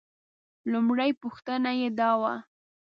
لومړۍ پوښتنه یې دا وه.